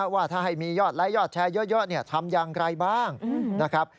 ว่าถ้าให้มียอดไลค์ยอดแชร์เยอะทำอย่างไรบ้างนะครับ